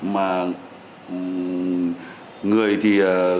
mà người thì